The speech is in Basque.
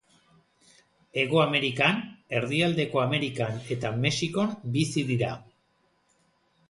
Hego Amerikan, Erdialdeko Amerikan eta Mexikon bizi dira.